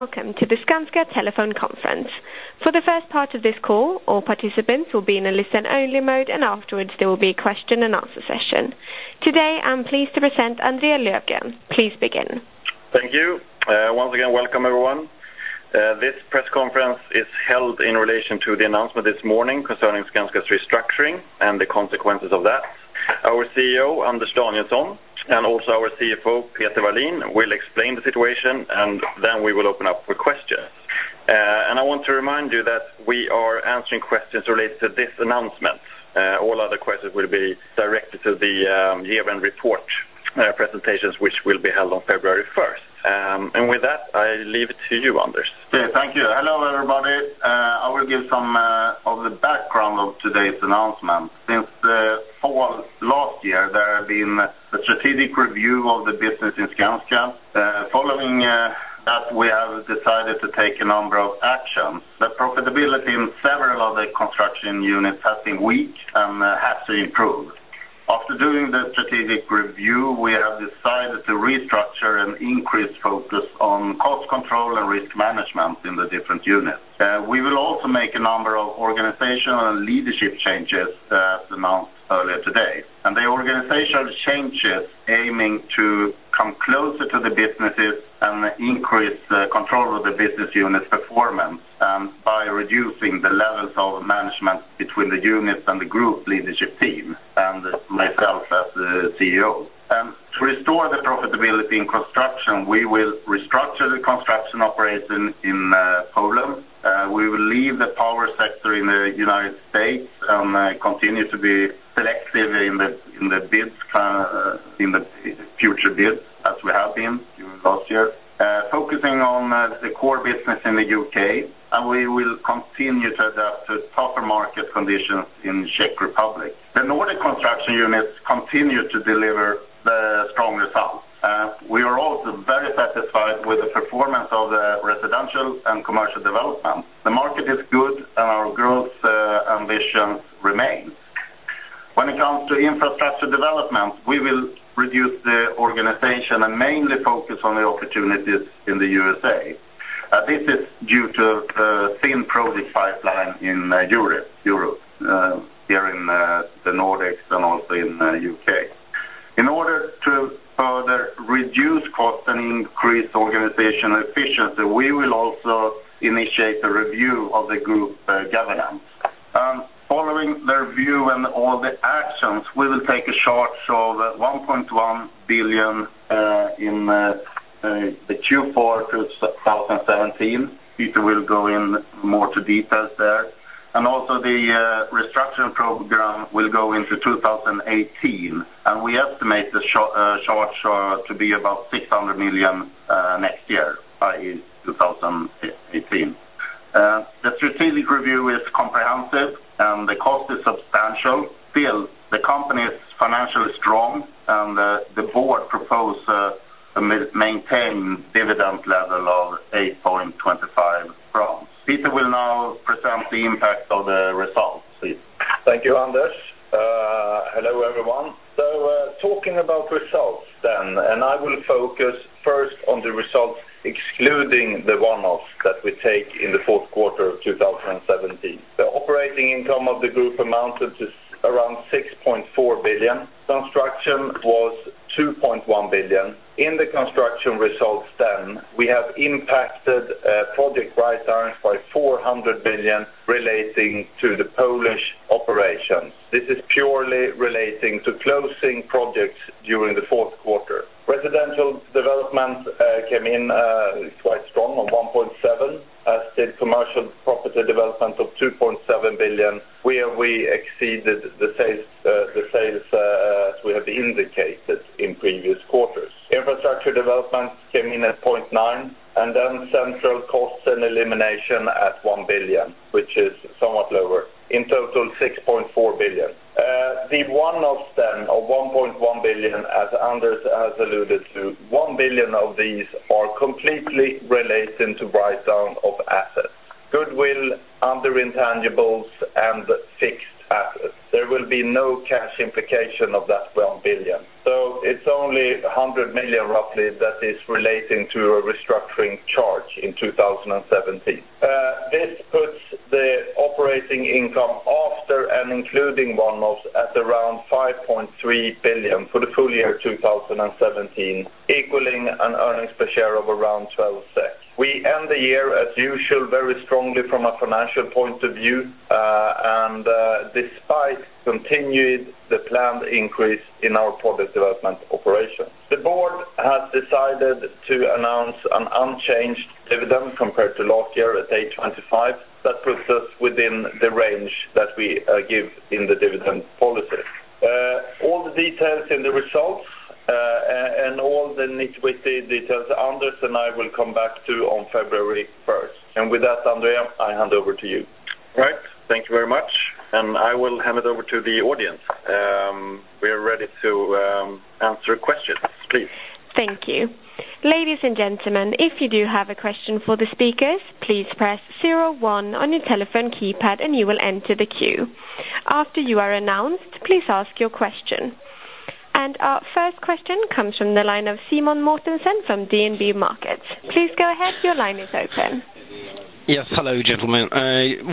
Welcome to the Skanska telephone conference. For the first part of this call, all participants will be in a listen-only mode, and afterwards, there will be a question and answer session. Today, I'm pleased to present André Löfgren. Please begin. Thank you. Once again, welcome, everyone. This press conference is held in relation to the announcement this morning concerning Skanska's restructuring and the consequences of that. Our CEO, Anders Danielsson, and also our CFO, Peter Wallin, will explain the situation, and then we will open up for questions. I want to remind you that we are answering questions related to this announcement. All other questions will be directed to the year-end report presentations, which will be held on February 1st. With that, I leave it to you, Anders. Okay, thank you. Hello, everybody. I will give some of the background of today's announcement. Since the fall of last year, there have been a strategic review of the business in Skanska. Following that, we have decided to take a number of actions. The profitability in several of the construction units has been weak and has to improve. After doing the strategic review, we have decided to restructure and increase focus on cost control and risk management in the different units. We will also make a number of organizational and leadership changes as announced earlier today. And the organizational changes aiming to come closer to the businesses and increase control of the business unit's performance, and by reducing the levels of management between the units and the group leadership team, and myself as the CEO. To restore the profitability in construction, we will restructure the construction operation in Poland. We will leave the power sector in the United States and continue to be selective in the bids, in the future bids, as we have been during last year. Focusing on the core business in the U.K., and we will continue to adapt to tougher market conditions in Czech Republic. The Nordic construction units continue to deliver the strong results. We are also very satisfied with the performance of the residential and commercial development. The market is good, and our growth ambitions remain. When it comes to infrastructure development, we will reduce the organization and mainly focus on the opportunities in the USA. This is due to thin project pipeline in Europe here in the Nordics and also in U.K. In order to further reduce costs and increase organizational efficiency, we will also initiate a review of the group governance. Following the review and all the actions, we will take a charge of 1.1 billion in the Q4 2017. Peter will go into more details there. Also the restructuring program will go into 2018, and we estimate the charge to be about 600 million next year in 2018. The strategic review is comprehensive, and the cost is substantial. Still, the company is financially strong, and the board proposes a maintained dividend level of SEK 8.25. Peter will now present the impact of the results. Please. Thank you, Anders. Hello, everyone. Talking about results then, I will focus first on the results, excluding the one-offs that we take in the fourth quarter of 2017. The operating income of the group amounted to 6.4 billion. Construction was 2.1 billion. In the construction results, we have impacted project write-downs by 400 million relating to the Polish operations. This is purely relating to closing projects during the fourth quarter. Residential development came in quite strong on 1.7 billion, as did commercial property development of 2.7 billion, where we exceeded the sales, the sales, as we have indicated in previous quarters. Infrastructure development came in at 0.9 billion, and then central costs and elimination at 1 billion, which is somewhat lower. In total, 6.4 billion. The one-offs then, of 1.1 billion, as Anders has alluded to, 1 billion of these are completely relating to write-down of assets, goodwill, other intangibles, and fixed assets. There will be no cash implication of that 1 billion. So it's only 100 million, roughly, that is relating to a restructuring charge in 2017. This puts the operating income after and including one-offs at around 5.3 billion for the full year 2017, equaling an earnings per share of around 12 SEK. We end the year, as usual, very strongly from a financial point of view, and despite continued the planned increase in our product development operation. The board has decided to announce an unchanged dividend compared to last year at 8.5. That puts us within the range that we give in the dividend policy. All the details in the results and all the nitty-gritty details, Anders and I will come back to on February 1st. With that, André, I hand over to you. Right. Thank you very much, and I will hand it over to the audience. We are ready to answer questions. Please. Thank you. Ladies and gentlemen, if you do have a question for the speakers, please press zero one on your telephone keypad, and you will enter the queue. After you are announced, please ask your question.... And our first question comes from the line of Simen Mortensen from DNB Markets. Please go ahead, your line is open. Yes. Hello, gentlemen.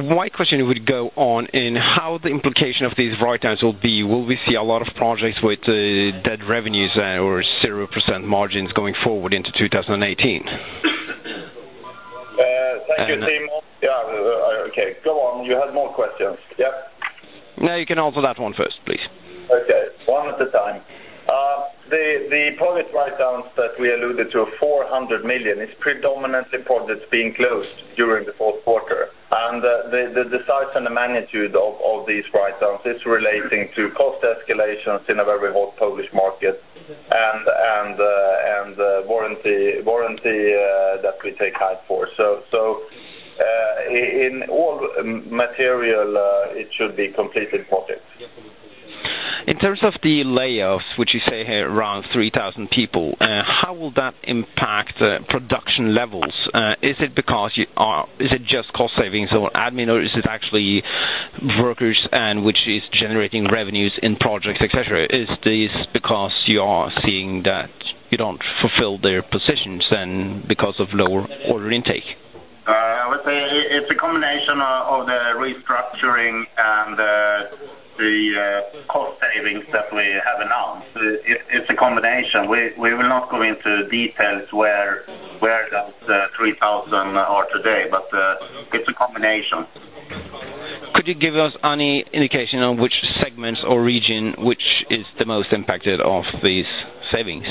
My question would go on in how the implication of these write-downs will be. Will we see a lot of projects with dead revenues or 0% margins going forward into 2018? Thank you, Simen. Yeah, okay, go on, you had more questions. Yep. No, you can answer that one first, please. Okay, one at a time. The project write-downs that we alluded to, 400 million, is predominantly projects being closed during the fourth quarter. And the size and the magnitude of these write-downs is relating to cost escalations in a very hot Polish market, and warranty that we take hide for. So in all material, it should be completely covered. In terms of the layoffs, which you say are around 3,000 people, how will that impact production levels? Is it just cost savings or admin, or is it actually workers and which is generating revenues in projects, et cetera? Is this because you are seeing that you don't fulfill their positions and because of lower order intake? I would say it's a combination of the restructuring and the cost savings that we have announced. It's a combination. We will not go into details where those 3,000 are today, but it's a combination. Could you give us any indication on which segments or region which is the most impacted of these savings?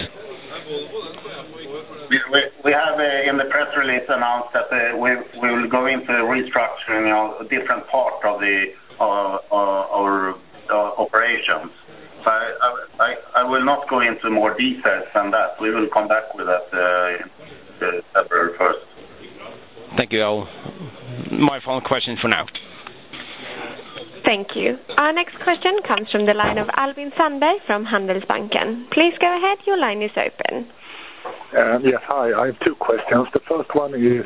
Yeah, we have in the press release announced that we will go into restructuring of different part of our operations. But I will not go into more details than that. We will come back with that the February 1st. Thank you all. My final question for now. Thank you. Our next question comes from the line of Albin Sandberg from Handelsbanken. Please go ahead, your line is open. Yes, hi. I have two questions. The first one is,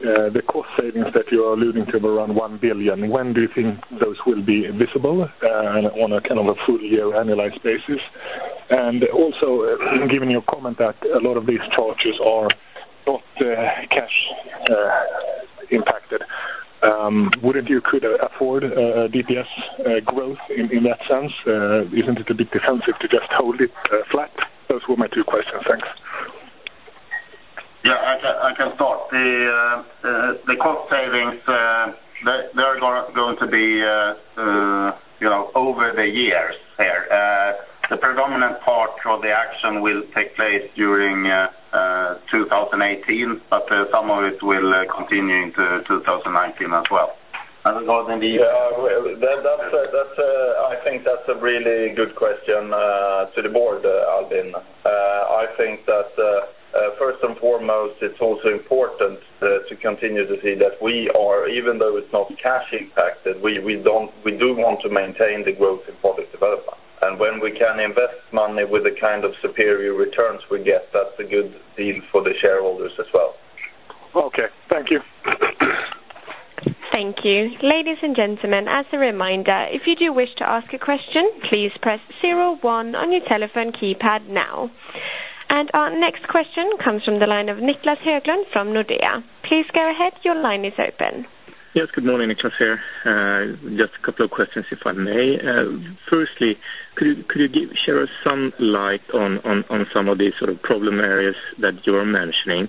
the cost savings that you are alluding to of around 1 billion, when do you think those will be visible, on a kind of a full year annualized basis? And also, given your comment that a lot of these charges are not, cash, impacted, wouldn't you could afford, DPS, growth in, in that sense? Isn't it a bit defensive to just hold it, flat? Those were my two questions. Thanks. Yeah, I can start. The cost savings, they are going to be, you know, over the years there. The predominant part of the action will take place during 2018, but some of it will continue into 2019 as well. Yeah, well, that's a really good question to the board, Albin. I think that first and foremost, it's also important to continue to see that we are, even though it's not cash impacted, we don't. We do want to maintain the growth in product development. And when we can invest money with the kind of superior returns we get, that's a good deal for the shareholders as well. Okay, thank you. Thank you. Ladies and gentlemen, as a reminder, if you do wish to ask a question, please press zero one on your telephone keypad now. And our next question comes from the line of Niclas Höglund from Nordea. Please go ahead, your line is open. Yes, good morning, Niclas here. Just a couple of questions, if I may. Firstly, could you give, shed some light on some of these sort of problem areas that you are mentioning?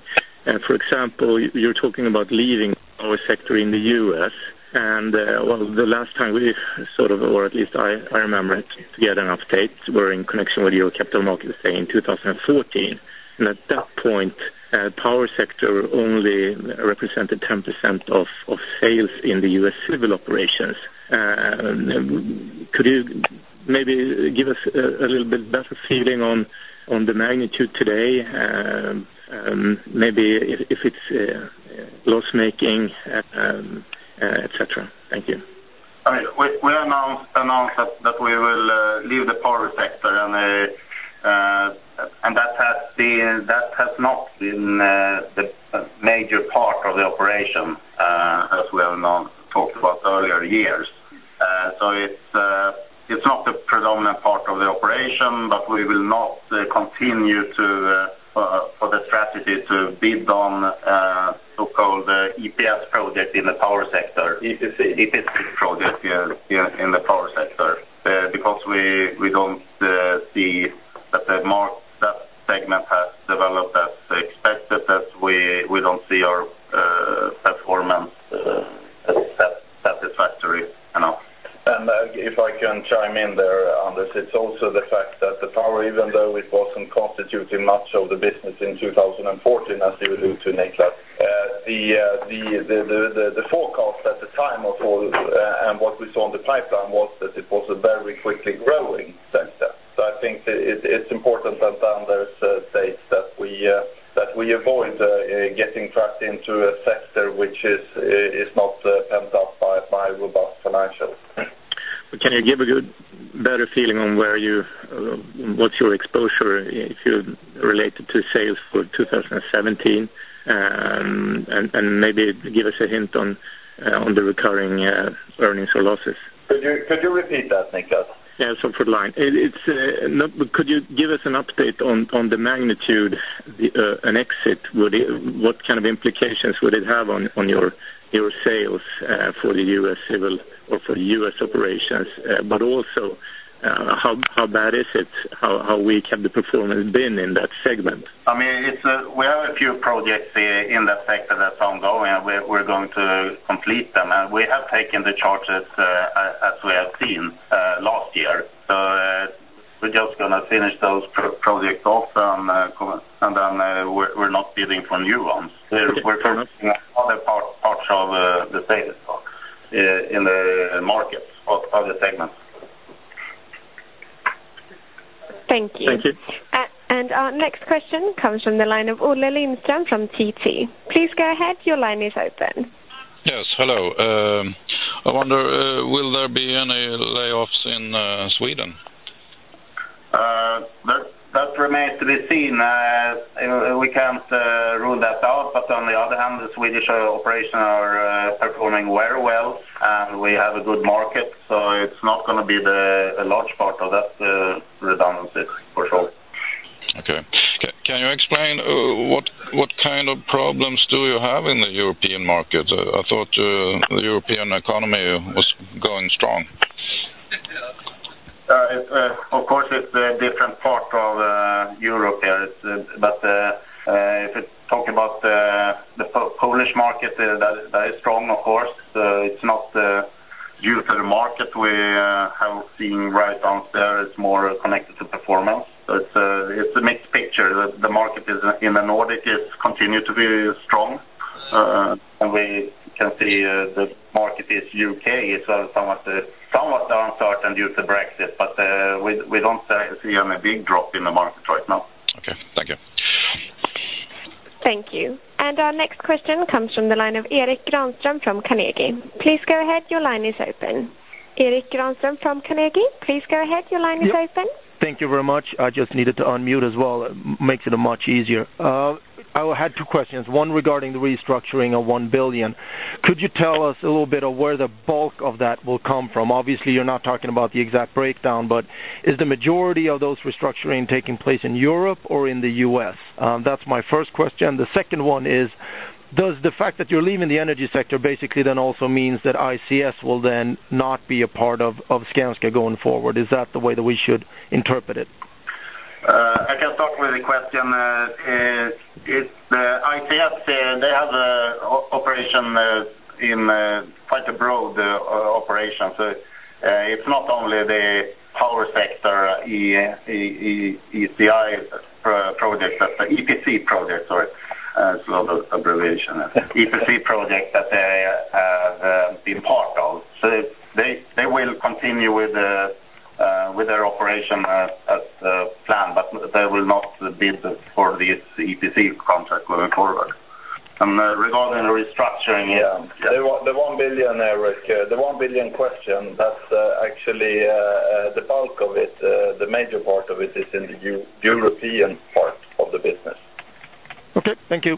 For example, you're talking about leaving power sector in the U.S., and well, the last time we sort of, or at least I remember it, to get an update, were in connection with your capital markets day in 2014. And at that point, power sector only represented 10% of sales in the U.S. civil operations. Could you maybe give us a little bit better feeling on the magnitude today? Maybe if it's loss making, etc. Thank you. I mean, we announced that we will leave the power sector, and that has not been the major part of the operation, as we have now talked about earlier years. So it's not the predominant part of the operation, but we will not continue the strategy to bid on so-called EPC projects in the power sector, because we don't see that the market, that segment has developed as expected, as we don't see our performance as satisfactory enough. If I can chime in there, Anders, it's also the fact that the power, even though it wasn't constituting much of the business in 2014, as you allude to, Niclas, the forecast at the time overall and what we saw in the pipeline was that it was a very quickly growing sector. So I think it's important that Anders states that we avoid getting trapped into a sector which is not backed up by robust financials. But can you give a good, better feeling on where you, what's your exposure if you related to sales for 2017? And maybe give us a hint on the recurring earnings or losses?... Could you repeat that, Niclas? Yeah, for the line, it's, no, could you give us an update on the magnitude, an exit, would it—what kind of implications would it have on your sales for the US civil or for US operations? Also, how bad is it? How weak have the performance been in that segment? I mean, we have a few projects there in that sector that's ongoing, and we're going to complete them. And we have taken the charges, as we have seen last year. So, we're just gonna finish those projects off, and then we're not bidding for new ones. We're focusing on other parts of the sales in the markets of other segments. Thank you. Thank you. Our next question comes from the line of Olle Lindström from TT. Please go ahead. Your line is open. Yes, hello. I wonder, will there be any layoffs in Sweden? That remains to be seen. We can't rule that out, but on the other hand, the Swedish operation are performing very well, and we have a good market, so it's not gonna be a large part of that redundancy, for sure. Okay. Can you explain what kind of problems do you have in the European market? I thought the European economy was going strong. Of course, it's a different part of Europe here. But if it's talking about the Polish market, that is strong, of course. It's not due to the market; we have seen write-down there. It's more connected to performance. So it's a mixed picture. The market in the Nordics, it's continued to be strong. And we can see the market in the U.K. is somewhat uncertain due to Brexit, but we don't see any big drop in the market right now. Okay, thank you. Thank you. Our next question comes from the line of Erik Granström from Carnegie. Please go ahead, your line is open. Erik Granström from Carnegie, please go ahead, your line is open. Thank you very much. I just needed to unmute as well. It makes it much easier. I had two questions, one regarding the restructuring of 1 billion. Could you tell us a little bit of where the bulk of that will come from? Obviously, you're not talking about the exact breakdown, but is the majority of those restructuring taking place in Europe or in the U.S.? That's my first question. The second one is, does the fact that you're leaving the energy sector basically then also means that ICS will then not be a part of, of Skanska going forward? Is that the way that we should interpret it? I can start with the question. It's ICS; they have an operation in quite a broad operation. So, it's not only the power sector, EPC project, sorry, it's a lot of abbreviation. EPC project that they be a part of. So they will continue with their operation as planned, but they will not bid for the EPC contract moving forward. And, regarding the restructuring- Yeah, the 1 billion question, Erik, that's actually the bulk of it, the major part of it is in the European part of the business. Okay, thank you.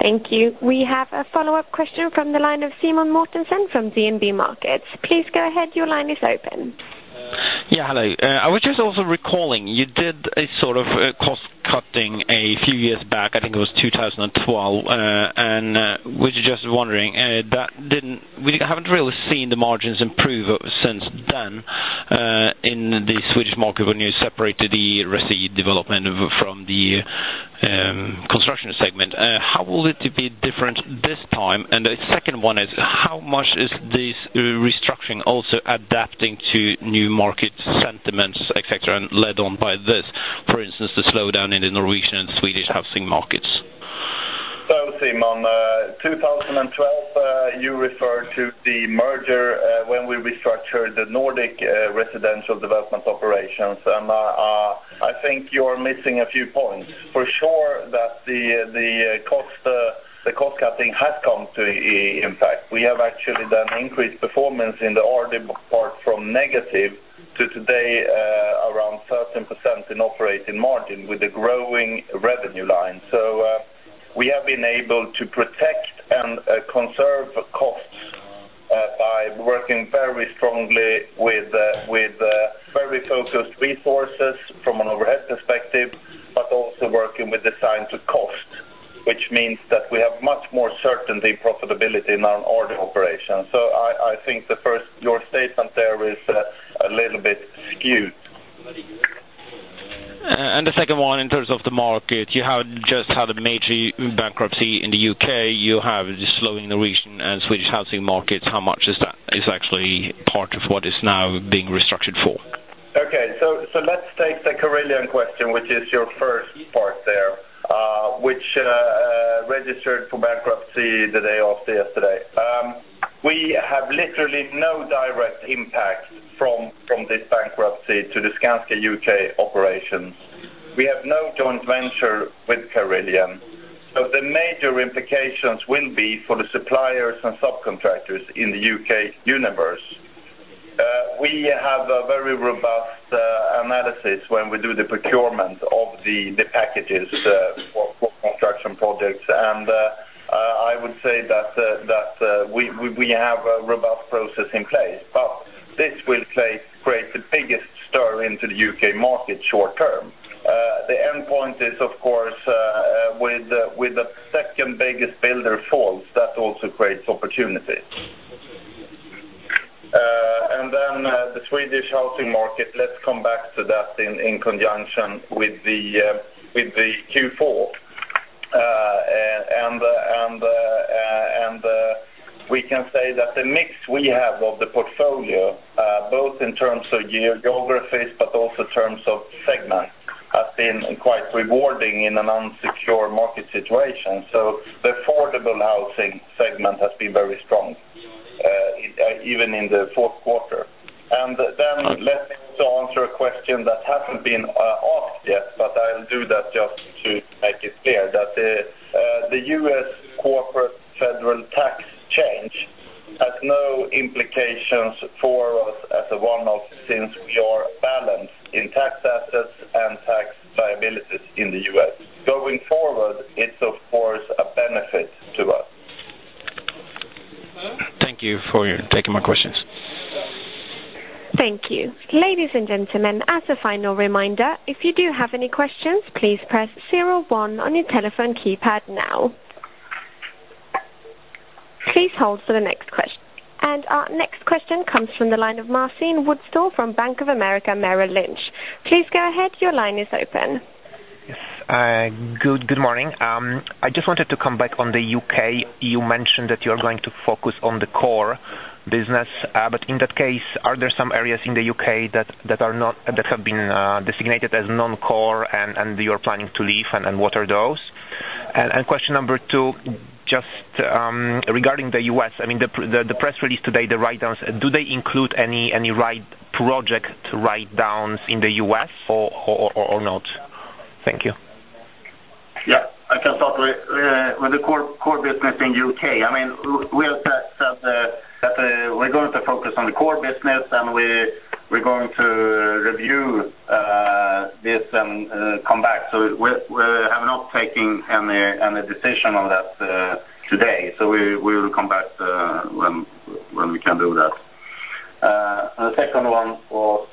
Thank you. We have a follow-up question from the line of Simen Mortensen from DNB Markets. Please go ahead, your line is open. Yeah, hello. I was just also recalling, you did a sort of a cost cutting a few years back, I think it was 2012. I was just wondering, that didn't... We haven't really seen the margins improve since then in the Swedish market, when you separated the resi development from the construction segment. How will it be different this time? And the second one is, how much is this restructuring also adapting to new market sentiments, et cetera, and led on by this, for instance, the slowdown in the Norwegian and Swedish housing markets? So, Simen, 2012, you refer to the merger, when we restructured the Nordics residential development operations, and I think you're missing a few points. For sure, that the cost cutting has come to impact. We have actually done increased performance in the Nordic part from negative to today, around 13% in operating margin with a growing revenue line. So, we have been able to protect and conserve costs, by working very strongly with very focused resources from an overhead perspective, but also working with design to cost, which means that we have much more certainty and profitability in our Nordic operation. So I think the first, your statement there is a little bit skewed. The second one, in terms of the market, you have just had a major bankruptcy in the U.K. You have the slowdown in the region and Swedish housing markets. How much of that is actually part of what is now being restructured for? Okay, so let's take the Carillion question, which is your first part there, which registered for bankruptcy the day after yesterday. We have literally no direct impact from this bankruptcy to the Skanska U.K. operations. We have no joint venture with Carillion, so the major implications will be for the suppliers and subcontractors in the U.K. universe. We have a very robust analysis when we do the procurement of the packages for construction projects. And I would say that we have a robust process in place, but this will play, create the biggest stir into the U.K. market short term. The endpoint is, of course, with the second biggest builder falls, that also creates opportunity. Then, the Swedish housing market, let's come back to that in conjunction with the Q4. We can say that the mix we have of the portfolio, both in terms of geographies, but also terms of segment, has been quite rewarding in an insecure market situation. The affordable housing segment has been very strong, even in the fourth quarter. Then let me also answer a question that hasn't been asked yet, but I'll do that just to make it clear that the U.S. corporate federal tax change has no implications for us as a one-off, since we are balanced in tax assets and tax liabilities in the U.S. Going forward, it's of course a benefit to us. Thank you for taking my questions. Thank you. Ladies and gentlemen, as a final reminder, if you do have any questions, please press zero one on your telephone keypad now. Please hold for the next question. And our next question comes from the line of Marcin Wojtal from Bank of America Merrill Lynch. Please go ahead. Your line is open. Yes, good, good morning. I just wanted to come back on the U.K. You mentioned that you are going to focus on the core business, but in that case, are there some areas in the U.K. that are not that have been designated as non-core and you're planning to leave, and what are those? And question number two, just regarding the U.S., I mean, the press release today, the write-downs, do they include any project write-downs in the U.S. or not? Thank you. Yeah, I can start with the core business in U.K. I mean, we have said that we're going to focus on the core business, and we're going to review this and come back. So we have not taken any decision on that today, so we will come back when we can do that. The second one was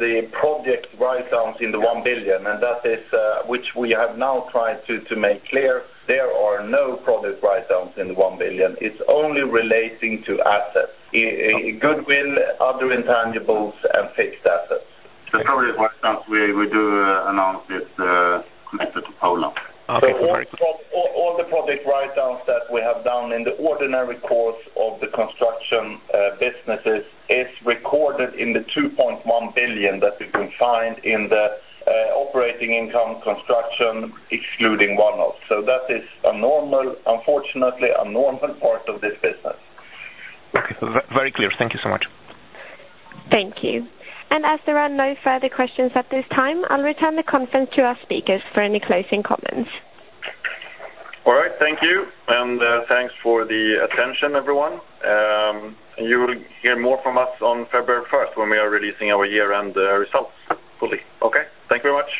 the project write-downs in the 1 billion, and that is which we have now tried to make clear, there are no project write-downs in the 1 billion. It's only relating to assets, goodwill, other intangibles and fixed assets. The project write-downs, we do announce it connected to Poland. Okay, great. All, all the Project write-downs that we have done in the ordinary course of the construction businesses is recorded in the 2.1 billion that you can find in the Operating Income construction, excluding one-off. So that is a normal, unfortunately, a normal part of this business. Okay, very clear. Thank you so much. Thank you. As there are no further questions at this time, I'll return the conference to our speakers for any closing comments. All right, thank you, and thanks for the attention, everyone. You will hear more from us on February first, when we are releasing our year-end results fully. Okay? Thank you very much.